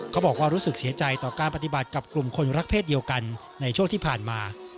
บอกว่ารู้สึกเสียใจต่อการปฏิบัติกับกลุ่มคนรักเศษเดียวกันในช่วงที่ผ่านมา